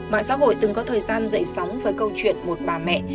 mạng xã hội từng có thời gian dậy sóng với câu chuyện một bà mẹ